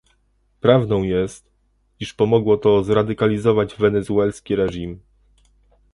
Prawdą jest, iż pomogło to zradykalizować Wenezuelski reżim